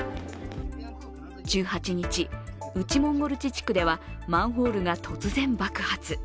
１８日、内モンゴル自治区ではマンホールが突然爆発。